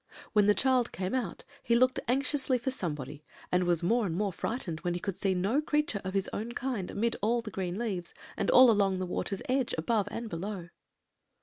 When the child came out, he looked anxiously for somebody, and was more and more frightened when he could see no creature of his own kind amid all the green leaves, and all along the water's edge above and below.